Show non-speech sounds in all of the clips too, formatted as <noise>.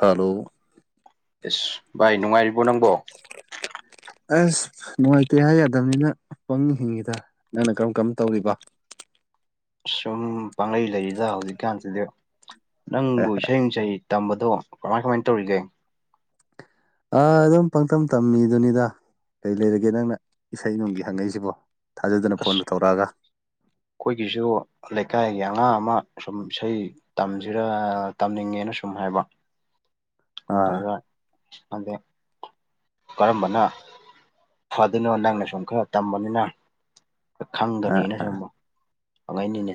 Hello ꯑꯁ ꯚꯥꯏ ꯅꯨꯡꯉꯥꯏꯔꯤꯕꯣ ꯅꯪꯕꯣ ꯑꯁ ꯅꯨꯡꯉꯥꯏꯇꯦ ꯍꯥꯏ ꯌꯥꯗꯕꯅꯤꯅ ꯄꯪꯍꯤꯡ ꯍꯤꯡꯉꯤꯗ ꯅꯪꯅ ꯀꯔꯝ ꯀꯔꯝ ꯇꯧꯔꯤꯕ ꯎꯝ ꯄꯥꯡꯂꯩ ꯂꯩꯔꯤꯗ ꯍꯧꯖꯤꯛꯀꯥꯟꯁꯤꯗꯤ ꯑꯦ ꯅꯪꯕꯨ ꯏꯁꯩ ꯅꯨꯡꯁꯩ ꯇꯝꯕꯗꯣ ꯀꯃꯥꯏ ꯀꯃꯥꯏ ꯇꯧꯔꯤꯒꯦ ꯑꯥ ꯑꯗꯨꯝ ꯄꯪꯇꯝ ꯇꯝꯃꯤꯗꯨꯅꯤꯗ ꯀꯩ ꯂꯩꯔꯒꯦ ꯅꯪꯅ ꯏꯁꯩ ꯅꯣꯡꯒꯤ ꯍꯪꯉꯛꯏꯁꯤꯕꯣ ꯊꯥꯖꯗꯅ ꯐꯣꯟꯒ ꯑꯁ ꯊꯧꯔꯛꯑꯒ ꯑꯩꯈꯣꯏꯒꯤꯁꯨ ꯂꯩꯀꯥꯏꯒꯤ ꯑꯉꯥꯡ ꯑꯃ ꯁꯨꯝ ꯏꯁꯩ ꯇꯝꯁꯤꯔ ꯇꯝꯅꯤꯡꯉꯦꯅ ꯁꯨꯝ ꯍꯥꯏꯕ ꯑꯥ <inaudible> ꯀꯔꯝꯕꯅ ꯐꯗꯣꯏꯅꯣ ꯅꯪꯅ ꯁꯨꯝ ꯈꯔ ꯇꯝꯕꯅꯤꯅ ꯑꯥ ꯈꯪꯒꯅꯤꯅ ꯁꯨꯝ ꯍꯪꯉꯥꯡꯢꯅꯤꯅꯦ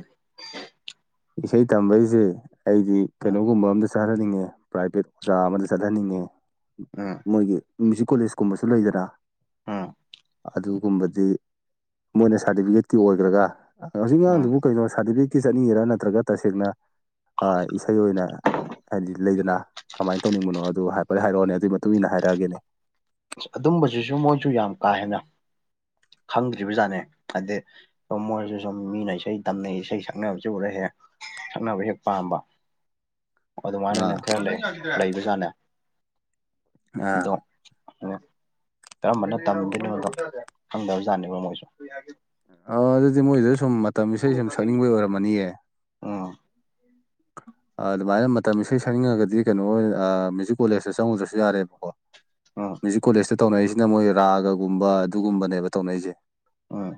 ꯏꯁꯩ ꯇꯝꯕꯩꯁꯦ ꯑꯩꯗꯤ ꯎꯝ ꯀꯩꯅꯣꯒꯨꯝꯕ ꯑꯃꯗ ꯆꯠꯍꯟꯅꯤꯡꯉꯦ ꯄ꯭ꯔꯥꯏꯚꯦꯠ ꯑꯣꯖꯥ ꯑꯃꯗ ꯆꯠꯍꯟꯅꯤꯡꯉꯦ ꯑꯥꯝ ꯃꯣꯏꯒꯤ ꯃ꯭ꯌꯨꯖꯤꯛ ꯀꯣꯂꯦꯖꯀꯨꯝꯕꯁꯨ ꯂꯩꯗꯅ ꯎꯝ ꯑꯗꯨꯒꯨꯝꯕꯗꯤ ꯃꯣꯏꯅ ꯁꯥꯔꯇꯤꯐꯤꯀꯦꯠꯀꯤ ꯑꯣꯏꯈ꯭ꯔꯒ ꯍꯧꯖꯤꯛ ꯎꯝ ꯑꯉꯥꯡꯗꯨꯕꯨ ꯀꯩꯅꯣ ꯁꯥꯔꯇꯤꯐꯤꯀꯦꯠꯀꯤ ꯆꯠꯅꯤꯡꯉꯤꯔꯥ ꯅꯠꯇ꯭ꯔꯒ ꯇꯁꯦꯡꯅ ꯑ ꯏꯁꯩ ꯑꯣꯏꯅ ꯍꯥꯏꯗꯤ ꯂꯩꯗꯅ ꯀꯃꯥꯏꯅ ꯇꯧꯅꯤꯡꯕꯅꯣ ꯑꯗꯨ ꯍꯥꯏꯐꯦꯠ ꯍꯥꯏꯔꯛꯑꯣꯅꯦ ꯑꯗꯨꯒꯤ ꯃꯇꯨꯡ ꯢꯟꯅ ꯍꯥꯏꯔꯛꯑꯒꯦꯅꯦ ꯑ ꯑꯗꯨꯨꯝꯕꯁꯤꯁꯨ ꯃꯣꯏꯁꯨ ꯌꯥꯝ ꯀꯥ ꯍꯦꯟꯅ ꯈꯪꯗ꯭ꯔꯤꯕ ꯖꯥꯠꯅꯦ ꯍꯥꯏꯗꯤ ꯁꯨꯝ ꯃꯣꯏꯁꯨ ꯁꯨꯝ ꯃꯤꯅ ꯏꯁꯩ ꯇꯝꯅꯩ ꯏꯁꯩ ꯁꯛꯅꯕꯁꯨ ꯎꯔ ꯍꯦꯛ ꯁꯥꯛꯅꯕ ꯍꯦꯠ ꯄꯝꯕ ꯑꯗꯨꯃꯥꯏꯅꯅꯦ ꯑꯥ ꯈꯔ ꯂꯩꯕꯖꯥꯠꯅꯦ ꯑꯥ ꯑꯗꯣ ꯀꯔꯝꯕꯅ ꯇꯝꯗꯣꯏꯅꯣꯗꯣ ꯈꯪꯗꯕꯖꯥꯠꯅꯦꯕ ꯃꯣꯏꯁꯨ ꯑ ꯑꯗꯨꯗꯤ ꯃꯣꯏꯗ ꯁꯨꯝ ꯃꯇꯝ ꯏꯁꯩ ꯁꯨꯝ ꯁꯛꯅꯤꯡꯕꯒꯤ ꯑꯣꯏꯔꯝꯃꯅꯤꯌꯦ ꯎꯝ ꯑꯗꯨꯃꯥꯏꯅ ꯃꯇꯝ ꯏꯁꯩ ꯁꯛꯅꯤꯡꯉꯒꯗꯤ ꯀꯩꯅꯣ ꯃ꯭ꯌꯨꯖꯤꯛ ꯀꯣꯂꯦꯖꯇ ꯆꯪꯉꯨꯗ꯭ꯔꯁꯨ ꯌꯥꯔꯦꯕꯀꯣ ꯑꯣ ꯃ꯭ꯌꯨꯖꯤꯛ ꯀꯣꯂꯦꯖꯇ ꯇꯧꯅꯔꯤꯁꯤꯅ ꯃꯣꯏ ꯔꯥꯒꯒꯨꯝꯕ ꯑꯗꯨꯒꯨꯝꯕꯅꯦꯕ ꯇꯧꯅꯔꯤꯁꯦ ꯍꯣꯏ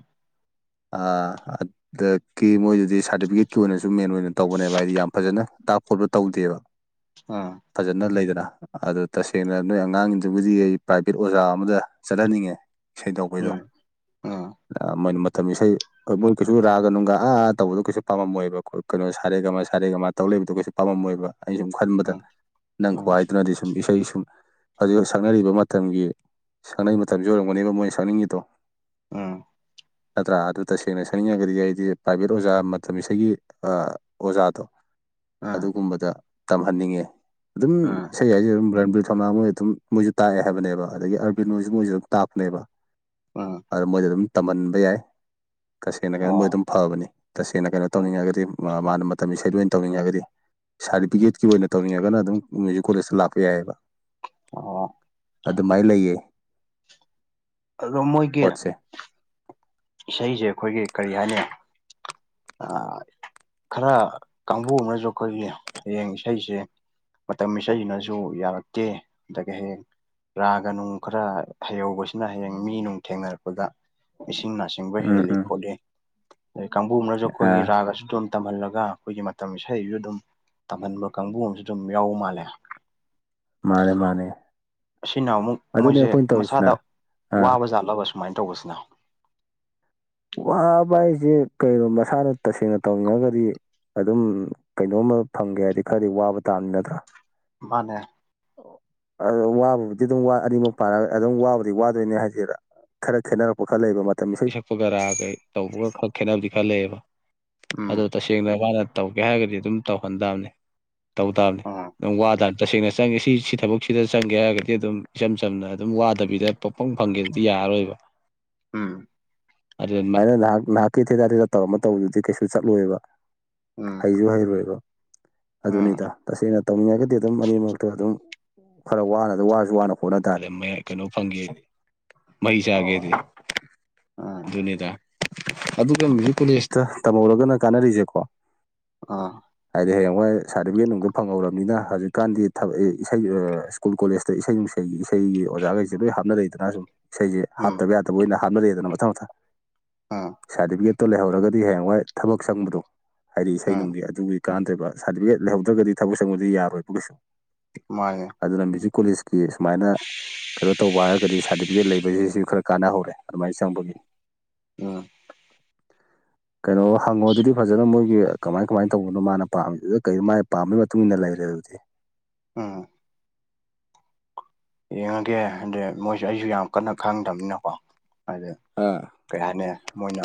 ꯑꯗꯨꯗꯒꯤ ꯃꯣꯏꯗꯨꯗꯤ ꯁꯥꯔꯇꯤꯐꯤꯀꯦꯠꯀꯤ ꯑꯣꯏꯅꯁꯨ ꯃꯦꯟ ꯑꯣꯏꯅ ꯇꯧꯕꯅꯦꯕ ꯍꯥꯏꯗꯤ ꯌꯥꯝ ꯐꯖꯅ ꯇꯥꯛ ꯈꯣꯠꯄ ꯇꯧꯗꯦꯕ ꯑꯥ ꯐꯖꯅ ꯂꯩꯗꯅ ꯑꯗꯨꯗ ꯇꯁꯦꯡꯅ ꯅꯣꯏ ꯑꯉꯥꯡꯁꯤꯡꯗꯨꯕꯨꯗꯤ ꯑꯩ ꯄ꯭ꯔꯥꯏꯚꯦꯠ ꯑꯣꯖꯥ ꯑꯃꯗ ꯆꯠꯍꯟꯅꯤꯡꯉꯦ ꯢꯁꯩ ꯇꯧꯄꯩꯗꯣ ꯑꯥ ꯃꯇꯝ ꯏꯁꯩ ꯍꯣꯏ ꯃꯣꯏ ꯀꯩꯁꯨ ꯔꯥꯒ ꯅꯨꯡꯒ ꯑꯥ ꯇꯧꯕꯗꯣ ꯀꯩꯁꯨ ꯄꯥꯝꯃꯣꯏꯕ ꯀꯩꯅꯣ ꯁꯥꯔꯦꯒ ꯈꯔꯦꯒ ꯃꯥꯅ ꯇꯧ ꯂꯩꯛꯕꯗꯣ ꯀꯩꯁꯨ ꯄꯥꯝꯃꯝꯃꯣꯏꯕ ꯑꯩꯅ ꯁꯨꯝ ꯎꯝ ꯈꯟꯕꯗ ꯎꯝ ꯅꯪ ꯎꯝ ꯈꯨꯍꯥꯢꯗꯧꯅꯗꯤ ꯁꯨꯝ ꯏꯁꯩ ꯁꯨꯝ ꯍꯧꯖꯤꯛ ꯁꯛꯅꯔꯤꯕ ꯃꯇꯝꯒꯤ ꯁꯛꯅꯩ ꯃꯇꯝꯁꯤ ꯑꯣꯏꯔꯝꯒꯅꯦꯕ ꯃꯣꯏꯅ ꯁꯛꯅꯤꯡꯉꯤꯗꯣ ꯎꯝ ꯅꯠꯇ꯭ꯔꯥ ꯑꯗꯨ ꯇꯁꯦꯡꯅ ꯁꯛꯅꯤꯡꯉꯒꯗꯤ ꯑꯩꯗꯤ ꯄ꯭ꯔꯥꯏꯚꯦꯠ ꯑꯣꯖꯥ ꯃꯇꯝ ꯏꯁꯩꯒꯤ ꯑꯣꯖꯥ ꯑꯗꯨꯒꯨꯝꯕꯗ ꯇꯝꯍꯟꯅꯤꯡꯉꯦ ꯑꯗꯨꯝ ꯎꯝ ꯎꯝ ꯎꯝ ꯏꯁꯩ ꯍꯥꯏꯁꯦ ꯑꯗꯨꯝ ꯔꯟꯕꯤꯔ ꯊꯧꯅꯥ ꯃꯣꯏ ꯑꯗꯨꯝ ꯃꯣꯏꯁꯨ ꯇꯥꯛꯑꯦ ꯍꯥꯏꯕꯅꯦꯕ ꯑꯗꯒꯤ ꯑꯔꯕꯤꯟ ꯍꯣꯏꯁꯨ ꯃꯣꯏꯁꯨ ꯑꯗꯨꯝ ꯇꯥꯛꯄꯅꯦꯕ ꯎꯝ ꯑꯗꯣ ꯃꯣꯏꯗ ꯑꯗꯨꯝ ꯇꯝꯍꯟꯕ ꯌꯥꯏ ꯇꯁꯦꯡꯅ ꯀꯩꯅꯣ ꯃꯣꯏ ꯑꯣ ꯑꯗꯨꯝ ꯐꯕꯅꯤ ꯇꯁꯦꯡꯅ ꯀꯩꯅꯣ ꯎꯝ ꯇꯧꯅꯤꯡꯉꯒꯗꯤ ꯃꯥꯅ ꯃꯇꯥꯝ ꯏꯁꯩꯗꯣ ꯑꯣꯢꯅ ꯇꯧꯅꯤꯡꯉꯒꯗꯤ ꯁꯥꯔꯇꯤꯐꯤꯀꯦꯠꯀꯤ ꯑꯣꯏꯅ ꯇꯧꯅꯤꯡꯉꯒꯅ ꯑꯗꯨꯝ ꯃ꯭ꯌꯨꯖꯤꯛ ꯀꯣꯂꯦꯖꯇ ꯂꯥꯛꯄ ꯌꯥꯏꯑꯕ ꯑꯣ ꯑꯗꯨꯃꯥꯏꯅ ꯂꯩꯌꯦ ꯑꯗꯣ ꯃꯣꯏꯒꯤ ꯄꯣꯠꯁꯦ ꯏꯁꯩꯁꯦ ꯑꯩꯈꯣꯏꯒꯤ ꯀꯔꯤ ꯍꯥꯏꯅꯤ ꯈꯔ ꯀꯥꯡꯕꯨ ꯑꯃꯅꯁꯨ ꯑꯩꯈꯣꯏꯒꯤ ꯍꯌꯦꯡ ꯏꯁꯩꯁꯦ ꯃꯇꯝ ꯏꯁꯩꯁꯤꯅꯁꯨ ꯌꯥꯔꯛꯇꯦ ꯑꯗꯒꯤ ꯍꯌꯦꯡ ꯔꯥꯒ ꯅꯨꯡ ꯈꯔ ꯍꯩꯍꯧꯕꯁꯤꯅ ꯍꯌꯦꯡ ꯃꯤ ꯅꯨꯡ ꯊꯦꯡꯅꯔꯛꯄꯗ ꯏꯅ ꯆꯤꯡꯕ ꯎꯝ ꯍꯦꯜꯂꯤ ꯎꯝ ꯈꯣꯠꯂꯤ ꯑꯗꯩ ꯀꯥꯡꯕꯨ ꯑꯃꯅꯁꯨ ꯑꯩꯈꯣꯏꯒꯤ ꯑꯥ ꯔꯥꯒꯁꯨ ꯑꯗꯨ ꯇꯝꯍꯜꯂꯒ ꯑꯩꯈꯣꯏꯒꯤ ꯃꯇꯝ ꯏꯁꯩꯁꯨ ꯑꯗꯨꯝ ꯇꯝꯍꯟꯕ ꯀꯥꯡꯕꯨ ꯑꯃꯁꯨ ꯑꯗꯨꯝ ꯌꯥꯎꯕ ꯃꯥꯜꯂꯦ ꯃꯥꯅꯦ ꯃꯥꯅꯦ ꯑꯁꯤꯅ ꯑꯃꯨꯛ ꯑꯗꯨꯅꯦ ꯃꯣꯏꯁꯦ ꯑꯩꯈꯣꯏꯅ ꯇꯧꯔꯤꯁꯤꯅ ꯃꯁꯥꯗ ꯑꯥ ꯋꯥꯕ ꯌꯥꯥꯠꯂꯕ ꯁꯨꯃꯥꯏꯅ ꯇꯧꯕꯁꯤꯅ ꯋꯥꯕ ꯍꯥꯏꯁꯦ ꯀꯩꯅꯣ ꯃꯁꯥꯅ ꯇꯁꯦꯡꯅ ꯇꯧꯅꯤꯡꯉꯒꯗꯤ ꯑꯗꯨꯝ ꯀꯩꯅꯣꯝꯃ ꯐꯪꯒꯦ ꯍꯥꯏꯔꯗꯤ ꯈꯔꯗꯤ ꯋꯥꯕ ꯇꯥꯟꯕꯃꯤ ꯅꯠꯇ꯭ꯔꯥ ꯃꯥꯅꯦ ꯑ ꯋꯥꯕꯕꯨꯗꯤ ꯑꯗꯨꯝ ꯑꯅꯤꯃꯛ ꯄꯥꯅ ꯑꯗꯨꯝ ꯋꯥꯕꯨꯗꯤ ꯋꯥꯗꯣꯏꯅꯦ ꯍꯥꯏꯁꯤꯔꯥ ꯈꯔ ꯈꯦꯠꯅꯔꯛꯄ ꯈꯔ ꯂꯩꯕ ꯃꯇꯝ ꯏꯁꯩ ꯁꯛ ꯒꯔꯥ ꯀꯩ ꯇꯧꯕꯒ ꯈꯔ ꯈꯦꯠꯅꯕꯗꯤ ꯈꯔ ꯂꯩꯌꯦꯕ ꯑꯗꯣ ꯎꯝ ꯇꯁꯦꯡꯅ ꯃꯥꯅ ꯇꯧꯒꯦ ꯍꯥꯏꯔꯒꯗꯤ ꯑꯗꯨꯝ ꯇꯧꯍꯟ ꯇꯕꯅꯤ ꯇꯧ ꯇꯕꯅꯤ ꯎꯝ ꯑꯗꯨꯝ ꯋꯥꯗ ꯇꯁꯦꯡꯅ ꯆꯪꯉꯦ ꯁꯤ ꯁꯤ ꯊꯕꯛꯁꯤꯗ ꯆꯪꯒꯦ ꯍꯥꯏꯔꯒꯗꯤ ꯑꯗꯨꯝ ꯏꯆꯝ ꯆꯝꯅ ꯑꯗꯨꯝ ꯋꯥꯗꯕꯤꯗ ꯄꯣꯄꯪ ꯐꯪꯒꯦꯗꯨꯗꯤ ꯌꯥꯔꯔꯣꯏꯕ ꯎꯝ ꯑꯗꯨ ꯑꯗꯨꯃꯥꯏꯅ ꯅꯍꯥꯛ ꯅꯍꯥꯛꯀꯤ ꯊꯦꯇꯔ ꯊꯇꯔ ꯇꯧꯔꯝꯃ ꯇꯧꯕꯗꯨꯗꯤ ꯀꯩꯁꯨ ꯆꯠꯂꯣꯏꯦꯕ ꯎꯝ ꯍꯩꯔꯣꯏꯕ ꯎꯝ ꯑꯗꯨꯅꯤꯗ ꯇꯁꯦꯡꯅ ꯇꯧꯅꯤꯡꯉꯒꯗꯤ ꯑꯗꯨꯝ ꯑꯅꯤꯃꯛꯇꯣ ꯑꯗꯨꯝ ꯈꯔ ꯋꯥꯅ ꯋꯥꯁꯨ ꯋꯥꯅ ꯍꯣꯠꯅ ꯇꯥꯔꯦ ꯀꯩꯅꯣ ꯐꯪꯒꯦꯗꯤ ꯃꯍꯩ ꯑꯣ ꯆꯥꯒꯦꯗꯤ ꯎꯝ ꯑꯗꯨꯅꯤꯗ ꯑꯗꯨꯒ ꯃ꯭ꯌꯨꯖꯤꯛ ꯀꯣꯂꯦꯖꯇ ꯇꯝꯍꯧꯔꯒꯅ ꯀꯥꯟꯅꯔꯤꯁꯦꯀꯣ ꯑ ꯍꯥꯏꯗꯤ ꯍꯌꯦꯡꯋꯥꯏ ꯁꯥꯔꯇꯤꯐꯤꯀꯦꯠ ꯅꯨꯡꯗꯨ ꯐꯪꯍꯧꯔꯕꯅꯤꯅ ꯍꯧꯖꯤꯛꯀꯥꯟꯗꯤ ꯏꯁꯩ ꯁ꯭ꯀꯨꯜ ꯀꯣꯂꯦꯖꯇ ꯏꯁꯩ ꯅꯨꯡꯁꯒꯤ ꯏꯁꯩꯒꯤ ꯑꯣꯖꯥꯈꯩꯁꯦ ꯂꯣꯏ ꯍꯥꯞꯅ ꯂꯩꯗꯅ ꯁꯨꯝ ꯏꯁꯩꯁꯦ ꯎꯝ ꯎꯝ ꯍꯥꯞꯇꯕ ꯌꯥꯗꯕ ꯑꯣꯏꯅ ꯍꯥꯞꯅꯔꯦꯗꯅ ꯃꯊꯪ ꯃꯊꯪ ꯑꯥ ꯁꯥꯔꯇꯤꯐꯤꯀꯦꯠꯇꯣ ꯂꯩꯍꯧꯔꯒꯗꯤ ꯍꯌꯦꯡꯋꯥꯏ ꯊꯕꯛ ꯆꯪꯕꯗꯣ ꯍꯥꯏꯗꯤ ꯏꯁꯩ ꯎꯝ ꯅꯨꯡꯒꯤ ꯑꯗꯨꯒꯤ ꯀꯥꯟꯅꯗꯦꯕ ꯁꯥꯗꯤꯐꯤꯀꯦꯠ ꯂꯩꯍꯧꯗ꯭ꯔꯒꯗꯤ ꯊꯕꯛ ꯆꯪꯕꯗ ꯌꯥꯔꯣꯏꯕ ꯀꯩꯁꯨ ꯃꯥꯅꯦ ꯑꯗꯨꯅ ꯃ꯭ꯌꯨꯖꯤꯛ ꯀꯣꯂꯦꯖꯀꯤ ꯁꯨꯃꯥꯏꯅ ꯀꯩꯅꯣ ꯇꯧꯕ ꯍꯥꯏꯔꯒꯗꯤ ꯁꯥꯔꯇꯤꯐꯤꯀꯦꯠ ꯂꯩꯕꯁꯤꯁꯨ ꯈꯔ ꯀꯥꯟꯅꯍꯧꯔꯦ ꯑꯗꯨꯃꯥꯏꯅ ꯆꯪꯕꯒꯤ ꯎꯝ <inaudible> <unintelligible> ꯀꯩꯅꯣ ꯍꯪꯉꯣ ꯑꯗꯨꯗꯤ ꯐꯖꯅ ꯃꯣꯏꯒꯤ ꯀꯃꯥꯏ ꯀꯃꯥꯏꯅ ꯇꯧꯕꯅꯣ ꯃꯥꯅ ꯄꯥꯝꯃꯤꯗꯨꯗ ꯀꯩꯃꯥꯏꯅ ꯄꯥꯝꯕꯩ ꯃꯇꯨꯡ ꯏꯟꯅ ꯂꯩꯔꯦ ꯑꯗꯨꯗꯤ ꯑꯝ ꯌꯦꯡꯉꯒꯦ ꯑꯗ ꯃꯣꯏꯁꯨꯦ ꯑꯩꯁꯨ ꯌꯥꯝ ꯀꯟꯅ ꯈꯪꯗꯕꯅꯤꯅꯀꯣ ꯑꯗꯨꯗ ꯑꯥ ꯀꯩ ꯍꯥꯏꯅꯤ ꯃꯣꯏꯅ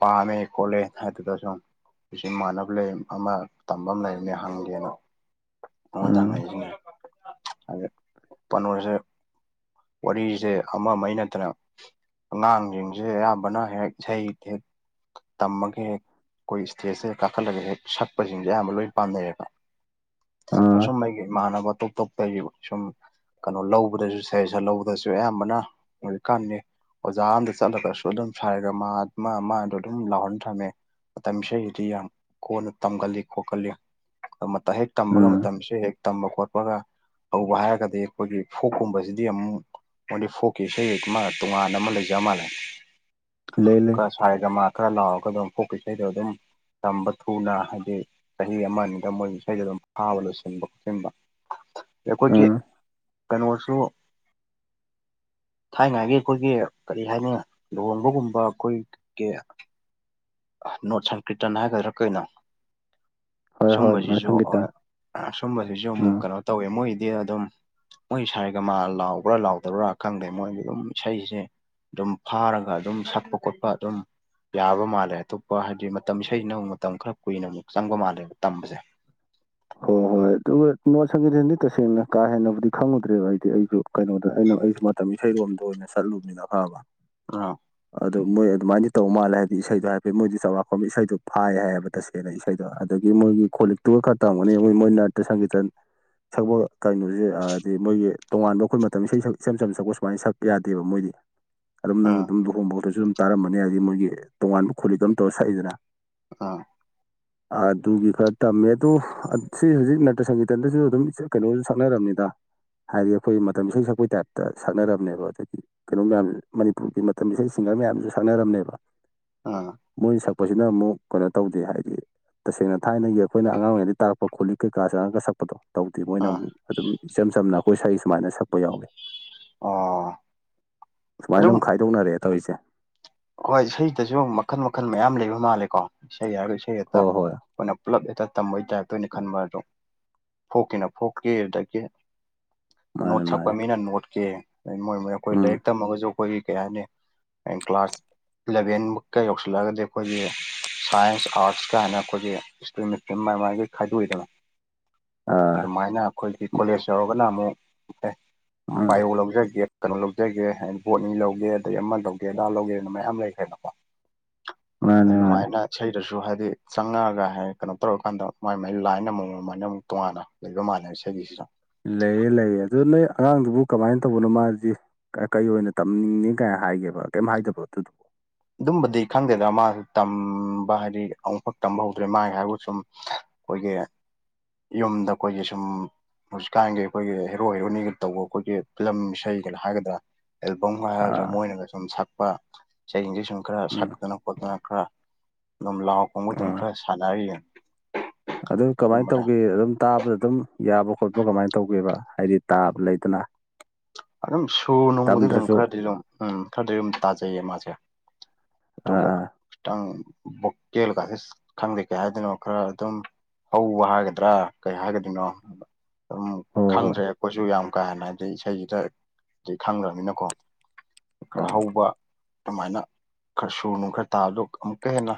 ꯄꯥꯝꯃꯦ ꯈꯣꯠꯂꯦ ꯍꯥꯏꯗꯨꯗ ꯁꯨꯝ ꯑꯩꯁ ꯃꯥꯟꯅꯕ ꯂꯩ ꯑꯃ ꯇꯝꯕ ꯑꯃ ꯂꯩꯔꯝꯅꯦ ꯍꯪꯒꯦꯅ ꯃꯉꯣꯟꯗ ꯎꯝ ꯍꯪꯉꯗꯤ ꯈꯪꯒꯅꯤ ꯑꯗꯨ ꯄꯥꯅꯣꯁꯦ ꯋꯥꯔꯤꯁꯦ ꯑꯃ ꯅꯠꯇꯅ ꯑꯉꯥꯡꯁꯤꯡꯁꯦ ꯑꯌꯥꯝꯕꯅ ꯍꯦꯛ ꯍꯩꯦꯛ ꯇꯝꯃꯒꯦ ꯍꯦꯛ ꯑꯩꯈꯣꯏ ꯏꯁꯇꯦꯖꯁꯦ ꯀꯥꯈꯠꯂꯒ ꯍꯦꯛ ꯁꯛꯄꯁꯤꯡꯁꯦ ꯑꯌꯥꯝ ꯂꯣꯏꯅ ꯄꯥꯝꯅꯩꯌꯦꯕ ꯑꯥ ꯑꯁꯨꯝ <unintelligible> ꯏꯃꯥꯟꯅꯕ ꯇꯣꯞ ꯇꯣꯞꯄ ꯁꯨꯝ ꯀꯩꯅꯣ ꯂꯧꯕꯗꯁꯨ ꯁꯦꯁꯟ ꯂꯧꯕꯗꯁꯨ ꯑꯌꯥꯝꯕꯅ ꯍꯧꯖꯤꯛꯀꯥꯟꯅꯤ ꯑꯣꯖꯥ ꯑꯝꯗ ꯆꯠꯂꯒꯁꯨ ꯑꯗꯨꯝ ꯐꯔꯒ ꯃꯥ ꯑꯃ ꯃꯥꯗꯣ ꯑꯗꯨꯝ ꯂꯥꯎꯍꯟ ꯊꯝꯃꯦ ꯃꯇꯝ ꯏꯁꯩꯗꯨꯗꯤ ꯌꯥꯝ ꯀꯣꯟꯅ ꯇꯝꯒꯜꯂꯤ ꯈꯣꯀꯜꯂꯤ ꯇꯝꯕꯒ ꯎꯝ ꯃꯇꯝꯁꯦ ꯍꯦꯛ ꯇꯝꯕ ꯈꯣꯠꯄꯒ ꯍꯧꯕ ꯍꯥꯏꯔꯒꯗꯤ ꯑꯩꯈꯣꯏꯒꯤ ꯐꯣꯛꯀꯨꯝꯕꯁꯤꯗꯤ ꯑꯃꯨꯛ ꯃꯣꯏꯗꯤ ꯐꯣꯛꯀꯤ ꯏꯁꯩ ꯃ ꯇꯣꯉꯥꯟꯅ ꯑꯃ ꯂꯩꯖ ꯃꯥꯜꯂꯦ ꯂꯩ ꯂꯩ ꯈꯔ ꯁꯥꯔꯦ ꯒꯃꯥ ꯈꯔ ꯂꯥꯎꯔꯒ ꯑꯗꯨꯝ ꯄꯣꯛꯄ ꯏꯁꯩꯗꯣ ꯑꯗꯨꯝ ꯇꯝꯕ ꯊꯨꯅ ꯍꯥꯏꯗꯤ ꯆꯍꯤ ꯑꯃꯅꯤꯗ ꯃꯣꯏ ꯏꯁꯩꯗ ꯑꯗꯨꯝ ꯐꯥꯕ ꯂꯣꯏꯁꯤꯟꯕ ꯈꯣꯠꯆꯟꯕ ꯑꯈꯣꯏꯒꯤ ꯎꯝ ꯀꯩꯅꯣꯁꯨ ꯊꯥꯏꯉꯥꯏꯒꯤ ꯑꯩꯈꯣꯏꯒꯤ ꯀꯔꯤ ꯍꯥꯏꯅꯤ ꯂꯨꯍꯣꯡꯕꯒꯨꯝꯕ ꯑꯩꯈꯣꯏꯒꯤ ꯅꯣꯠ ꯁꯪꯀ꯭ꯔꯤꯇꯟ ꯍꯥꯏꯒꯗ꯭ꯔꯥ ꯀꯩꯅꯣ ꯍꯣꯏ ꯍꯣꯏ ꯅꯣꯠ ꯁꯨꯝꯕꯁꯤꯁꯨ ꯁꯪꯒꯤꯇꯟ ꯁꯨꯝꯕꯁꯤꯁꯨ ꯑꯃꯨꯛ ꯎꯝ ꯀꯩꯅꯣ ꯇꯧꯋꯦ ꯃꯣꯏꯒꯤꯗꯤ ꯑꯗꯨꯝ ꯃꯣꯏ ꯁꯥꯌꯦꯒꯃꯥ ꯂꯥꯎꯕ꯭ꯔꯥ ꯂꯥꯎꯗꯕ꯭ꯔꯥ ꯈꯪꯗꯦ ꯃꯣꯏꯗꯤ ꯑꯗꯨꯝ ꯏꯁꯩꯁꯦ ꯑꯗꯨꯝ ꯐꯥꯔꯒ ꯑꯗꯨꯝ ꯁꯛꯄ ꯈꯣꯠꯄ ꯑꯗꯨꯝ ꯌꯥꯕ ꯃꯥꯜꯂꯦ ꯑꯇꯣꯞꯄ ꯍꯥꯏꯗꯤ ꯃꯇꯝ ꯏꯁꯩꯁꯤꯅ ꯑꯃꯨꯛ ꯃꯇꯝ ꯈꯔ ꯀꯨꯏꯅ ꯑꯃꯨꯛ ꯆꯪꯕ ꯃꯥꯜꯂꯦꯕ ꯇꯝꯕꯁꯦ ꯍꯣꯏ ꯍꯣꯏ ꯑꯗꯨꯒ ꯅꯣꯠ ꯁꯪꯒꯔꯤꯇꯟꯗꯤ ꯇꯁꯦꯡꯅ ꯀꯥ ꯍꯦꯟꯅꯕꯨꯗꯤ ꯈꯪꯉꯨꯗ꯭ꯔꯦꯕ ꯑꯩꯗꯤ ꯑꯩꯁꯨ ꯀꯩꯅꯣꯗ ꯑꯩꯅ ꯑꯩꯁꯨ ꯃꯇꯝ ꯏꯁꯩꯔꯣꯝꯗ ꯑꯣꯏꯅ ꯆꯠꯂꯨꯕꯅ ꯈꯪꯉꯕ ꯑꯥ ꯑꯗꯣ ꯃꯣꯏ ꯑꯗꯨꯃꯥꯏꯅꯗꯤ ꯇꯧ ꯃꯥꯜꯂꯦ ꯍꯥꯏꯕꯗꯤ ꯏꯁꯩꯗꯣ ꯍꯥꯏꯐꯦꯠ ꯃꯣꯏꯗꯤ ꯆꯥꯎꯔꯥꯛꯄꯝꯃꯥ ꯏꯁꯩꯗꯣ ꯐꯥꯏ ꯍꯥꯏꯌꯦꯕ ꯇꯁꯦꯡ ꯀꯦꯅ ꯏꯁꯩꯗꯣ ꯑꯗꯒꯤ ꯃꯣꯏꯒꯤ ꯈꫭꯂꯤꯛꯇꯨꯒ ꯈꯔ ꯇꯝꯒꯅꯤ ꯃꯣꯏ ꯅꯥꯠꯇ ꯁꯪꯒꯤꯇꯟ ꯁꯛꯄ ꯀꯩꯅꯣꯁꯦ ꯍꯥꯏꯗꯤ ꯃꯣꯏꯒꯤ ꯇꯣꯉꯥꯟꯕ ꯑꯩꯈꯣꯏ ꯃꯇꯝ ꯏꯁꯩ ꯏꯆꯝ ꯆꯝ ꯁꯛꯄ ꯁꯨꯃꯥꯏꯅ ꯁꯛꯄ ꯌꯥꯗꯦꯕ ꯃꯣꯏꯗꯤ ꯑꯗꯨꯝ ꯅꯪ ꯑꯥ ꯑꯗꯨꯝ ꯂꯨꯍꯣꯡꯕꯗꯁꯨ ꯑꯗꯨꯝ ꯇꯥꯔꯝꯕꯅꯤ ꯍꯥꯏꯗꯤ ꯃꯣꯏꯒꯤ ꯇꯣꯉꯥꯟꯕ ꯈꫭꯂꯤꯛ ꯑꯃ ꯇꯧꯔ ꯁꯛꯏꯗꯅ ꯎꯝ ꯑꯗꯨꯒꯤ ꯈꯔ ꯇꯝꯃ‌ꯦ ꯇꯨ ꯑꯠ ꯁꯤ ꯍꯧꯖꯤꯛ ꯅꯇ ꯁꯪꯒꯤꯇꯟꯗꯁꯨ ꯑꯗꯨꯝ ꯀꯩꯅꯣꯁꯨ ꯁꯛꯅꯔꯝꯅꯤꯗ꯫ ꯍꯥꯏꯗꯤ ꯑꯩꯈꯣꯏ ꯃꯇꯝ ꯏꯁꯩ ꯁꯛꯄꯒꯤ ꯇꯥꯏꯞꯇ ꯁꯛꯅꯔꯕꯅꯦꯕ ꯑꯗꯨꯗꯤ ꯀꯩꯅꯣ ꯃꯌꯥꯝ ꯃꯅꯤꯄꯨꯔꯒꯤ ꯃꯇꯝ ꯏꯁꯩ ꯁꯤꯡꯒꯔ ꯃꯌꯥꯝꯁꯨ ꯁꯛꯅꯔꯝꯃꯦꯕ ꯑꯥ ꯃꯣꯏꯅ ꯁꯛꯄꯁꯤꯅ ꯑꯃꯨꯛ ꯀꯩꯅꯣ ꯇꯧꯗꯦ ꯍꯥꯏꯗꯤ ꯇꯁꯦꯡꯅ ꯊꯥꯏꯅꯒꯤ ꯑꯩꯈꯣꯏꯅ ꯑꯉꯥꯡ ꯑꫭꯏꯔꯤꯉꯩꯗꯩ ꯇꯥꯔꯛꯄ ꯈꯣꯠꯂꯤ ꯀꯩꯀꯥ ꯆꯪꯉꯥꯡꯒ ꯁꯛꯄꯗꯣ ꯇꯧꯗ‌ꯦ ꯃꫭꯏꯅ ꯑꯥ ꯑꯃꯨꯛ ꯑꯗꯨꯝ ꯏꯆꯝ ꯆꯝꯅ ꯑꯩꯈꯣꯏ ꯁꯛꯏ ꯁꯨꯃꯥꯏꯅ ꯁꯛꯄ ꯌꯥꯎꯋꯦ꯫ ꯑꯣ ꯑꯗꯨꯝ ꯁꯨꯃꯥꯏꯅꯃꯨꯛ ꯈꯥꯏꯗꯣꯛꯅꯔꯑꯦ ꯇꯧꯔꯤꯁꯦ ꯍꯣꯏ ꯏꯁꯩꯗꯁꯨ ꯃꯈꯜ ꯃꯈꯜ ꯃꯌꯥꯝ ꯂꯩꯕ ꯃꯥꯜꯂꯦꯀꯣ ꯏꯁꯩ ꯍꯥꯏꯔꯒ ꯏꯁꯩ ꯈꯛꯇ ꯍꯣꯏ ꯍꯣꯏ ꯑꯩꯈꫭꯏꯅ ꯄꯨꯂꯞ ꯍ‌ꯦꯛꯇ ꯇꯝꯕꯒꯤ ꯇꯥꯏꯞꯇ ꯑꫭꯏꯅ ꯈꯟꯕ ꯑꯗꯣ ꯐꯣꯛꯀꯤꯅ ꯐꯣꯛꯀꯤ ꯑꯗꯒꯤ ꯅꯣꯠ ꯃꯥꯅꯦ ꯁꯛꯄ ꯃꯥꯅꯦ ꯃꯤꯅ ꯅꯣꯠꯀꯤ ꯃꯣꯏ ꯃꯣꯏ ꯑꯩꯈꯣꯏ ꯎꯝ ꯂꯩꯔꯤꯛ ꯇꯝꯃꯒꯁꯨ ꯑꯩꯈꯣꯏꯒꯤ ꯀꯩ ꯍꯥꯏꯅꯤ ꯍꯌ‌ꯦꯡ ꯀ꯭ꯂꯥꯁ ꯏꯂꯚꯦꯟꯃꯨꯛꯀ ꯌꯧꯁꯤꯜꯂꯛꯑꯒꯗꯤ ꯑꯩꯈꯣꯏꯒꯤ ꯁꯥꯏꯟꯁ ꯑꯥꯔꯠꯁ ꯀꯥꯏꯅ ꯈꯣꯏꯒꯤ ꯁꯇ꯭ꯔꯤꯝ ꯁꯇ꯭ꯔꯤꯝ ꯃꯥ ꯃꯥꯒꯤ ꯈꯥꯏꯗꯣꯛꯏꯗꯅ ꯑꯥ ꯑꯗꯨꯃꯥꯏꯅ ꯑꯩꯈꯣꯏꯒꯤ ꯀꯣꯂꯦꯖ ꯌꯧꯔꯒꯅ ꯑꯃꯨꯛ ꯑꯦ ꯎꯝ ꯕꯥꯏꯑꯣ ꯂꯧꯖꯒꯦ ꯀꯩꯅꯣ ꯂꯧꯖꯒꯦ ꯍꯥꯏꯗꯤ ꯕꯣꯠꯅꯤ ꯂꯧꯒꯦ ꯑꯗꯩ ꯑꯃ ꯂꯧꯒꯦ ꯑꯗꯥ ꯂꯧꯒꯦꯅ ꯃꯌꯥꯝ ꯂꯩꯈ꯭ꯔꯦꯕꯀꯣ꯫ ꯃꯥꯅꯦ ꯃꯥꯅꯦ ꯑꯗꯨꯃꯥꯥꯏꯅ ꯏꯁꯩꯗꯁꯨ ꯍꯥꯏꯗꯤ ꯆꯪꯉꯛꯑꯒ ꯍꯥꯏ ꯀꯩꯅꯣ ꯇꯧꯔꯀꯥꯟꯗ ꯃꯥꯏ ꯃꯥꯏ ꯂꯥꯏꯟ ꯑꯃꯃꯝꯑꯅ ꯑꯃꯨꯛ ꯇꯣꯉꯥꯟꯅ ꯂꯩꯕ ꯃꯥꯜꯂꯦ ꯏꯁꯩꯒꯤꯁꯤꯁꯨ ꯂꯩꯌ‌ꯦ ꯂꯩ‌ꯌ‌ꯦ ꯑꯗꯨ ꯅꯣꯏ ꯑꯉꯥꯡꯗꯨꯕꯨ ꯀꯃꯥꯏꯅ ꯇꯧꯕꯅꯣ ꯃꯥꯖꯤ ꯀ ꯀꯩ ꯑꯣꯏꯅ ꯇꯝꯅꯤꯡꯅꯤ ꯀꯥꯏꯅ ꯍꯥꯏꯒꯦꯕ ꯀꯩꯝ ꯍꯥꯏꯗꯕꯔꫭ ꯑꯗꯨꯗꯣ ꯑꯗꯨꯝꯕꯗꯤ ꯈꯪꯗꯦꯗ ꯃꯥꯁꯨ ꯇꯝꯕ ꯍꯥꯏꯗꯤ ꯑꯃꯨꯛꯐꯥꯎ ꯇꯝꯕ ꯍꯧꯗ꯭ꯔꯤ ꯃꯥꯒꯤ ꯍꯥꯏꯕꯨ ꯁꯨꯝ ꯑꯩꯈꯣꯏꯒꯤ ꯌꯨꯝꯗ ꯑꯩꯈꯣꯏꯒꯤ ꯁꯨꯝ ꯍꯧꯖꯤꯛꯀꯥꯟꯒꯤ ꯑꯩꯈꯣꯏꯒꯤ ꯍꯦꯔꯣ ꯍꯦꯔꯣꯅꯤꯒ ꯇꯧꯕ ꯑꯩꯈꯣꯏꯒꯤ ꯐꯤꯂꯝ ꯏꯁꯩꯒꯅ ꯍꯥꯏꯒꯗ꯭ꯔꯥ ꯑꯦꯜꯕꯝꯒ ꯍꯥꯏꯒꯗ꯭ꯔꯥ ꯑꯥ ꯃꯣꯏꯅꯒ ꯁꯨꯝ ꯁꯛꯄ ꯏꯁꯩꯁꯤꯡꯖ‌ꯦ ꯁꯨꯝ ꯈꯔ ꯎꯝ ꯁꯛꯇꯅ ꯈꯣꯠꯇꯅ ꯈꯔ ꯑꯗꯨꯝ ꯂꯥꯎ ꯈꯣꯡꯕ ꯑꯗꯨꯝ ꯑꯥ ꯈꯔ ꯁꯥꯟꯅꯔꯤꯌꯦ ꯑꯗꯨꯝ ꯀꯃꯥꯏꯅ ꯇꯧꯒꯦ ꯑꯗꯨꯝ ꯇꯥꯕꯗ ꯑꯗꯨꯝ ꯌꯥꯕ꯭ꯔꫭ ꯈꯣꯠꯄ꯭ꯔꯣ ꯀꯃꯥꯏꯅ ꯇꯧꯒꯦꯕ ꯍꯥꯏꯗꯤ ꯇꯥꯞ ꯂꯩꯇꯅ ꯑꯗꯨꯝ ꯁꯨꯔ ꯅꯨꯡꯕꯨꯗꯤ ꯑꯗꯨꯝ ꯈꯔꯗꯤ ꯑꯗꯨ ꯎꯝ ꯈꯔꯗꯤ ꯑꯗꯨꯝ ꯇꯥꯖꯩꯌꯦ ꯃꯥꯁꯦ ꯑꯥ ꯑꯗꯨꯒ ꯑꯥ ꯈꯤꯇꯪ ꯚꯣꯀꯦꯜꯒꯥꯁꯦ ꯈꯪꯗꯦ ꯀꯩ ꯍꯥꯏꯗꯅꯣ ꯈꯔ ꯑꯗꯨꯝ ꯍꯧꯕ ꯍꯥꯏꯒꯗ꯭ꯔꯥ ꯀꯔꯤ ꯍꯥꯏꯒꯗꯣꯏꯅꯣ ꯑꯗꯨꯝ ꯍꯣꯏ ꯍꯣꯏ ꯈꯪꯗ꯭ꯔꯦ ꯑꯩꯈꯣꯏꯁꯨ ꯌꯥꯝ ꯀꯥ ꯍꯦꯟꯅ ꯍꯥꯏꯗꯤ ꯏꯁꯩ ꯑꯗꯨ ꯈꯪꯈ꯭ꯔꯕꯅꯤꯅꯀꯣ ꯈꯔ ꯑꯥ ꯍꯧꯕ ꯑꯗꯨꯃꯥꯏꯅ ꯈꯔ ꯁꯨꯔꯅꯨ ꯈꯔ ꯇꯥꯕꯗꯣ ꯑꯃꯨꯛꯀ ꯍꯦꯟꯅ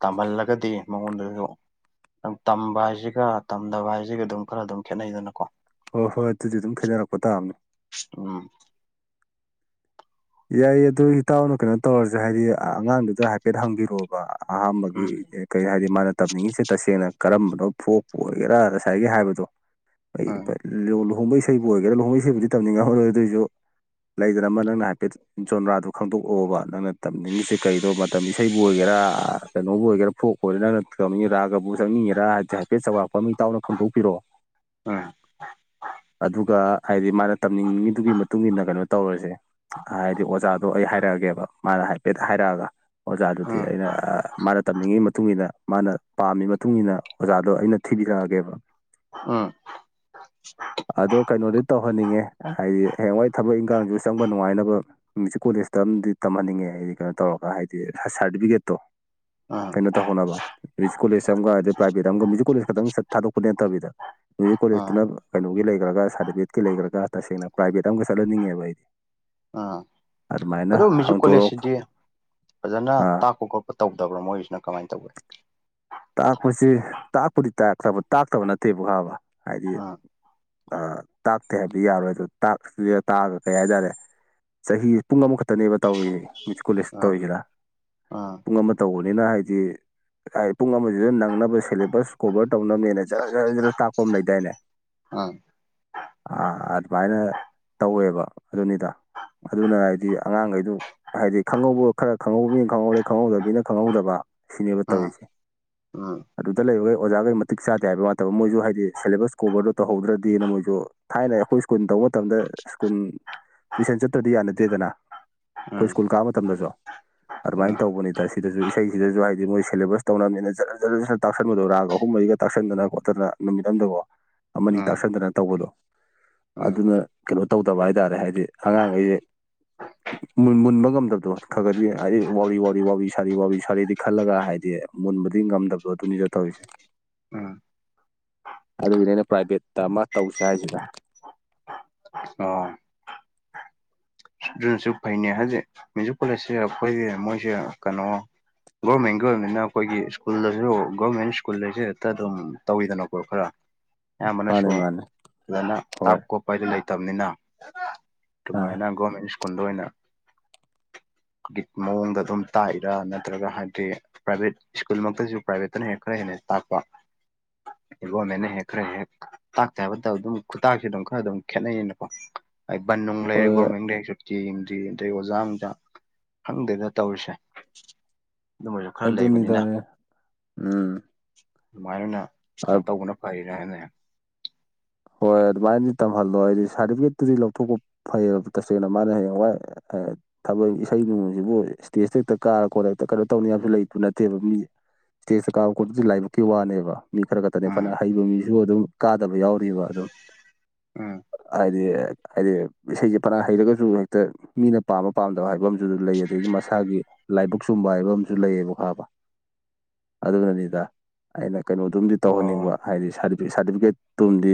ꯇꯝꯍꯜꯂꯒꯗꯤ ꯃꯉꯣꯟꯗꯁꯨ ꯇꯝꯕ ꯍꯥꯏꯁꯤꯒ ꯇꯝꯗꯕ ꯍꯥꯏꯁꯤꯒ ꯑꯗꯨꯝ ꯈꯔ ꯑꯗꯨꯝ ꯈꯦꯠꯅꯩꯗꯅꯀꯣ ꯍꯣꯏ ꯍꯣꯏ ꯑꯗꯨꯗꯤ ꯑꯗꯨꯝ ꯊꯦꯡꯅꯔꯛꯄ ꯇꯥꯕꯅꯦ ꯎꯝ ꯌꯥꯏ ꯑꯗꯨ ꯏꯇꯥꯎꯅ ꯀꯩꯅꯣ ꯇꯧꯔꯁꯨ ꯍꯥꯏꯗꯤ ꯑꯉꯥꯡꯗꯨꯗ ꯍꯥꯏꯐꯦꯠ ꯍꯪꯕꯤꯔꯛꯑꯣ ꯑꯍꯥꯝꯕꯒꯤ ꯎꯝ ꯀꯩ ꯍꯥꯏꯗꯤ ꯃꯥꯅ ꯇꯝꯅꯤꯡꯉꯤꯁꯦ ꯇꯁꯦꯡꯅ ꯀꯔꯝꯕꯅꯣ ꯐꯣꯛꯄꯨ ꯑꯣꯏꯒꯦꯔꯥ ꯉꯁꯥꯏꯒꯤ ꯍꯥꯏꯕꯗꯣ ꯑꯩ ꯎꯝ ꯂꯣꯍꯣꯡꯕꯩ ꯏꯁꯩꯕꯨ ꯑꯣꯏꯒꯦꯔꯥ ꯂꯨꯍꯃꯩꯁꯤꯕꯨꯗꯤ ꯇꯝꯅꯤꯡꯉ ꯍꯧꯔꯣꯏ ꯑꯗꯨꯏꯁꯨ ꯂꯩꯗꯅ ꯑꯃ ꯅꯪꯅ ꯍꯥꯏ ꯆꯣꯟꯗ꯭ꯔꯥꯗꯨ ꯈꯪꯗꯣꯛꯑꯣꯕ ꯅꯪꯅ ꯇꯝꯅꯤꯡꯉꯤꯁꯦ ꯀꯩꯗꯣ ꯃꯇꯝ ꯏꯁꯩꯕꯨ ꯑꯣꯏꯒꯦꯔꯥ ꯀꯩꯅꯣꯕꯨ ꯑꯣꯏꯒꯦꯔꯥ ꯐꯣꯛꯄꯨ ꯑꯣꯢꯒꯦꯔꯥ ꯅꯪꯅ ꯊꯝꯅꯤꯡꯉꯤ ꯔꯥꯒꯕꯨ ꯆꯠꯅꯤꯡꯉꯦꯔ ꯍꯥꯏꯗꯤ ꯍꯥꯏꯐꯦꯠ ꯆꯥꯎꯔꯥꯛꯄ ꯃꯤ ꯇꯥꯎꯅ ꯈꯪꯗꯣꯛꯄꯤꯔꯛꯑꯣ ꯎꯝ ꯑꯗꯨꯒ ꯍꯥꯏꯗꯤ ꯃꯥꯅ ꯇꯝꯅꯤꯡꯉꯤꯗꯨꯒꯤ ꯃꯇꯨꯡ ꯏꯟꯅ ꯀꯩꯅꯣ ꯇꯧꯔꯁꯦ ꯍꯥꯏꯗꯤ ꯑꯣꯖꯥꯗꯣ ꯑꯩ ꯍꯥꯏꯔꯛꯑꯒꯦꯕ ꯃꯥꯅ ꯍꯥꯏꯐꯦꯠ ꯍꯥꯏꯔꯛꯑꯒ ꯑꯣꯖꯥꯗꯨꯗꯤ ꯎꯝ ꯑꯩꯅ ꯃꯥꯅ ꯇꯝꯅꯤꯡꯉꯤ ꯃꯇꯨꯡ ꯏꯟꯅ ꯃꯥꯅ ꯄꯥꯝꯃꯤ ꯃꯇꯨꯡ ꯏꯟꯅ ꯑꯣꯖꯥꯗꯣ ꯑꯩꯅ ꯊꯤꯕꯤꯔꯛꯑꯒꯦꯕ ꯎꯝ ꯑꯗꯣ ꯀꯩꯅꯣꯗꯤ ꯇꯧꯍꯟꯅꯤꯡꯉꯦ ꯍꯥꯏꯗꯤ ꯍꯌꯦꯡꯋꯥꯏ ꯊꯕꯛ ꯏꯪꯈꯥꯡꯁꯨ ꯆꯪꯕ ꯅꯨꯡꯉꯥꯏꯅꯕ ꯑꯗꯨꯒ ꯃ꯭ꯌꯨꯖꯤꯛ ꯀꯣꯂꯦꯖꯇ ꯑꯝꯗꯤ ꯇꯝꯍꯟꯅꯤꯡꯉꯦ ꯍꯥꯏꯗꯤ ꯀꯩꯅꯣ ꯇꯧꯔꯒ ꯍꯥꯏꯗꯤ ꯁꯥꯔꯇꯤꯐꯤꯀꯦꯠꯇꯣ ꯎꯝ ꯀꯩꯅꯣ ꯇꯧꯍꯧꯕ ꯀꯣꯂꯦꯖ ꯑꯃꯒ ꯑꯗꯩ ꯄ꯭ꯔꯥꯏꯚꯦꯠ ꯑꯃꯒ ꯃ꯭ꯌꯨꯖꯤꯛ ꯀꯣꯂꯦꯖ ꯈꯛꯇꯪ ꯆꯠ ꯊꯗꯣꯛꯄ ꯅꯠꯇꯕꯤꯗ ꯃ꯭ꯌꯨꯖꯤꯛ ꯎꯝ ꯀꯣꯂꯦꯖꯇꯨꯅ ꯀꯩꯅꯣꯒꯤ ꯂꯩ꯭ꯔꯒ ꯁꯥꯔꯇꯤꯐꯤꯀꯦꯠꯀꯤ ꯂꯩꯈ꯭ꯔꯒ ꯇꯁꯦꯡꯅ ꯄ꯭ꯔꯥꯏꯕꯦꯠ ꯑꯃꯒ ꯆꯠꯍꯟꯅꯤꯡꯉꯦꯕ ꯑꯩꯗꯤ ꯎꯝ ꯑꯗꯨꯃꯥꯏꯅ ꯑꯗꯣ ꯃ꯭ꯌꯨꯖꯤꯛ ꯍꯥꯡꯇꯣꯔꯛ ꯀꯣꯂꯦꯖꯁꯤꯗꯤ ꯐꯖꯅ ꯑꯥ ꯇꯥꯛꯄ ꯈꯣꯠꯄ ꯇꯧꯗꯕ꯭ꯔꯥ ꯃꯣꯏꯁꯤꯅ ꯀꯃꯥꯏꯅ ꯇꯧꯒꯦ ꯇꯥꯛꯄꯁꯦ ꯇꯥꯛꯄꯗꯤꯕ ꯇꯥꯛꯇꯕ ꯅꯠꯇꯦꯕꯥꯕ ꯍꯥꯏꯗꯤ ꯎꯝ ꯑ ꯇꯥꯛꯇꯦ ꯍꯥꯏꯕꯗꯤ ꯌꯥꯔꯣꯏ ꯑꯗꯨ ꯇꯥꯛꯁꯤꯗ ꯇꯥꯛꯑꯒ ꯀꯩ ꯍꯥꯏꯇꯥꯔꯦ ꯆꯍꯤ ꯄꯨꯡ ꯑꯃꯈꯛꯇꯅꯦꯕ ꯇꯧꯔꯤꯌꯦ ꯃꯌꯨꯖꯤꯛ ꯀꯣꯂꯦꯖꯇ ꯎꯝ ꯇꯧꯔꯤꯁꯤꯅ ꯎꯝ ꯄꯨꯡ ꯑꯃ ꯇꯧꯕꯅꯤꯅ ꯍꯥꯏꯗꯤ ꯄꯨꯡ ꯑꯃꯁꯤꯗ ꯅꯪꯅꯕ ꯁꯤꯦꯂꯦꯕꯁ ꯀꯣꯕꯔ ꯇꯧꯅꯕꯅꯦꯅ ꯖꯔ ꯖꯔ ꯖꯔ ꯇꯥꯛꯄ ꯑꯃ ꯂꯩꯗꯥꯏꯅꯦ ꯎꯝ ꯑꯗꯨꯃꯥꯏꯅ ꯇꯧꯋꯦꯕ ꯑꯗꯨꯅꯤꯗ ꯑꯗꯨꯅ ꯍꯥꯏꯗꯤ ꯑꯉꯥꯡꯒꯩꯗꯨ ꯍꯥꯏꯗꯤ ꯈꯪꯍꯧꯕ ꯈꯔ ꯈꯪꯍꯧꯕꯤꯅ ꯈꯪꯍꯧꯗꯦ ꯈꯪꯍꯧꯗꯕꯕꯤꯅ ꯈꯪꯍꯧꯗꯕ ꯁꯤꯅꯦꯕ ꯎꯝ ꯇꯧꯔꯤꯁꯦ ꯎꯝ ꯑꯗꯨꯗ ꯂꯩꯕꯈꯩ ꯑꯣꯖꯥꯈꯩ ꯃꯇꯤꯛ ꯆꯥꯗꯦ ꯍꯥꯏꯕ ꯋꯥꯇꯕ ꯃꯣꯏꯁꯨ ꯍꯥꯏꯗꯤ ꯁꯦꯂꯦꯕꯁ ꯀꯣꯕꯔꯗꯣ ꯇꯧꯍꯧꯗ꯭ꯔꯗꯤꯅ ꯃꯣꯏꯁꯨ ꯊꯥꯏꯅ ꯑꯩꯈꯣꯏ ꯁ꯭ꯀꯨꯜ ꯇꯧꯕ ꯃꯇꯝꯗ ꯁ꯭ꯀꯨꯟ ꯇꯨꯏꯁꯟ ꯆꯠꯇ꯭ꯔꯗꯤ ꯌꯥꯅꯗꯦꯗꯅ ꯑꯩꯈꯣꯏ ꯎꯝ ꯁ꯭ꯀꯨꯜ ꯀꯥꯕ ꯃꯇꯝꯗꯁꯨ ꯑꯗꯨꯃꯥꯏꯅ ꯇꯧꯕꯅꯤꯗ ꯁꯤꯗꯁꯨ ꯏꯁꯩꯁꯤꯗꯁꯨ ꯍꯥꯏꯗꯤ ꯃꯣꯏ ꯁꯦꯂꯦꯕꯁ ꯇꯧꯅꯕꯅꯤꯅ ꯖꯠ ꯖ ꯖꯔ ꯇꯥꯛꯁꯟꯕꯗꯣ ꯔꯥꯒ ꯑꯍꯨꯝ ꯃꯔꯤꯒ ꯇꯥꯛꯁꯤꯟꯗꯅ ꯈꯣꯠꯇꯅ ꯅꯨꯃꯤꯠ ꯑꯗꯀꯣ ꯑꯃꯅꯤ ꯎꯝ ꯎꯝ ꯇꯥꯛꯥꯁꯟꯗꯅ ꯇꯧꯕꯗꯣ ꯎꯝ ꯑꯗꯨꯅ ꯀꯩꯅꯣ ꯇꯧꯗꯕ ꯍꯥꯏꯇꯥꯔꯦ ꯍꯥꯏꯗꯤ ꯑꯉꯥꯡꯒꯩꯁꯦ ꯃꯨꯟꯕ ꯉꯝꯗꯕꯗꯣ ꯈ ꯈꯗꯤ ꯍꯥꯏꯗꯤ ꯋꯥ ꯋꯥꯔꯤ ꯋꯥ ꯁꯥꯔꯤ ꯋꯥ ꯁꯥꯔꯤꯗꯤ ꯈꯜꯂꯒ ꯍꯥꯏꯗꯤ ꯃꯨꯟꯕꯗꯤ ꯉꯝꯗꯕꯗꯣ ꯑꯗꯨꯅꯤ ꯆꯠ ꯇꯧꯔꯤꯁꯦ ꯎꯝ ꯑꯗꯨꯒꯤꯅꯦ ꯑꯩꯅ ꯄ꯭ꯔꯥꯏꯚꯦꯠꯇ ꯑꯃ ꯇꯧꯁꯦ ꯍꯥꯏꯁꯤꯗ ꯑꯗꯨꯟꯁꯨ ꯐꯩꯅꯦ ꯍꯥꯏꯖꯤꯛ ꯃ꯭ꯌꯨꯖꯤꯛ ꯀꯣꯂꯦꯖꯁꯤꯦ ꯑꯩꯈꯣꯏꯒꯤ ꯃꯣꯏꯁꯦ ꯀꯩꯅꯣ ꯒꯣꯔꯃꯦꯟꯒꯤ ꯑꯣꯏꯅꯤꯅ ꯑꯩꯈꯣꯏꯒꯤ ꯁ꯭ꯀꯨꯜꯗꯁꯨ ꯒꯣꯔꯃꯦꯟ ꯁ꯭ꯀꯨꯜ ꯍꯥꯏꯁꯦ ꯍꯦꯛꯇ ꯑꯗꯨꯝ ꯇꯧꯋꯤꯗꯅꯀꯣ ꯈꯔ ꯑꯌꯥꯝꯕꯅꯁꯨ ꯃꯥꯅꯦ ꯃꯥꯅꯦ ꯐꯖꯅ ꯇꯥꯞ ꯍꯣꯏ ꯈꯣꯠꯄ ꯍꯥꯏꯗꯨ ꯂꯩꯇꯕꯅꯤꯅ ꯑꯥ ꯇꯨꯃꯥꯏꯅ ꯒꯣꯔꯃꯦꯟ ꯁ꯭ꯀꯨꯜꯗ ꯑꯣꯏꯅ ꯒꯤ ꯃꯑꯣꯡꯗ ꯑꯗꯨꯝ ꯇꯥꯛꯏꯔꯥ ꯅꯠꯇ꯭ꯔꯒ ꯍꯥꯏꯗꯤ ꯄ꯭ꯔꯥꯏꯚꯦꯠ ꯁ꯭ꯀꯨꯜꯃꯛꯇꯁꯨ ꯄ꯭ꯔꯥꯏꯚꯦꯠꯇꯅ ꯍꯦꯛꯟꯅ ꯈꯔ ꯍꯦꯟꯅ ꯇꯥꯛꯄ ꯋꯥ ꯃꯅꯦ ꯍꯈꯔꯦ ꯍ ꯇꯥꯛꯇꯦ ꯍꯥꯏꯕꯗ ꯑꯗꯨꯝ ꯈꯨꯇꯥꯛꯁꯨ ꯑꯗꯨꯝ ꯈꯔ ꯑꯗꯨꯝ ꯈꯦꯠꯅꯩꯅꯀꯣ ꯕꯟ ꯅꯨꯡ ꯂꯩꯔꯦ ꯍꯣꯏ ꯒꯣꯔꯃꯦꯟ ꯂꯩꯔꯁꯨ ꯇꯝꯗꯤ ꯑꯗꯩ ꯑꯣꯖꯥ ꯑꯝꯇ ꯈꯪꯗꯦꯅ ꯇꯧꯔꯤꯁꯦ ꯑꯗꯨꯝ ꯑꯣꯏꯁꯨ ꯈꯔ ꯂꯩꯕꯅꯤꯅ ꯑꯗꯨꯅꯤꯗ ꯎꯝ ꯑꯗꯨꯃꯥꯏꯅ ꯑꫭꯏꯅ ꯀꯩꯅꯣ ꯇꯧꯕꯅ ꯐꯔꯤꯔ ꯍꯥꯏꯅꯦ ꯍꯣꯏ ꯑꯗꯨꯃꯥꯏꯅꯗꯤ ꯇꯝꯍꯜꯂꯣ ꯑꯩꯗꯤ ꯁꯥꯔꯇꯤꯕꯤꯒꯦꯠꯇꯨꯗꯤ ꯂꯧꯊꯣꯛꯄ ꯐꯩꯑꯕ ꯇꯁꯦꯡꯅ ꯃꯥꯅ ꯍꯌꯦꯡꯋꯥꯏ ꯑ ꯊꯕꯛ ꯏꯁꯩ ꯅꯣꯡꯃꯁꯤꯕꯨ ꯏꯁꯇꯦꯖ ꯍꯦꯛꯇ ꯀꯥꯔ ꯈꯣꯠꯂꯦꯛꯇ ꯀꯩꯅꯣ ꯇꯧꯅꯤꯁꯨ ꯂꯩꯇꯨ ꯅꯠꯇꯦꯕ ꯃꯤ ꯏꯁꯇꯦꯖꯇ ꯀꯥꯕ ꯈꯣꯠꯄꯖꯤ ꯂꯥꯏꯕꯛꯀꯤ ꯋꯥꯅꯦꯕ ꯃꯤ ꯈꯔ ꯈꯛꯇꯅꯦ ꯎꯝ ꯐꯅ ꯍꯩꯕ ꯃꯤꯁꯨ ꯑꯗꯨꯝ ꯀꯥꯗꯕ ꯌꯥꯎꯔꯤꯕ ꯑꯗꯨꯝ ꯎꯝ ꯍꯥꯏꯗꯤ ꯍꯥꯏꯗꯤ ꯏꯁꯩꯖꯦ ꯐꯅ ꯍꯩꯔꯒꯁꯨ ꯍꯦꯛꯇ ꯃꯤꯅ ꯄꯥꯝꯕ ꯄꯥꯝꯗꯕ ꯍꯥꯏꯕ ꯑꯃꯖꯨ ꯑꯗꯨ ꯂꯩ ꯑꯗꯒꯤ ꯃꯁꯥꯒꯤ ꯂꯥꯏꯕꯛ ꯆꯨꯝꯕ ꯍꯥꯏꯕ ꯑꯃꯁꯨ ꯂꯩꯌꯦꯕ ꯈꯪꯉꯕ ꯑꯗꯨꯅꯅꯤꯗ ꯑꯩꯅ ꯀꯩꯅꯣꯗꯨꯝꯗꯤ ꯑꯣ ꯇꯧꯍꯟꯅꯤꯡꯕ ꯍꯥꯏꯗꯤ ꯁꯗꯤ ꯁꯥꯗꯕꯤꯀꯦꯠꯇꯨꯃꯗꯤ